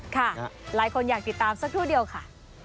หลายคนอยากติดตามสักครู่เดียวค่ะ